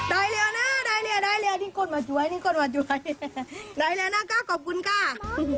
ไหนเรียวนะนี่คนมาจุ้ยไหนเรียวนะก็ขอบคุณค่ะ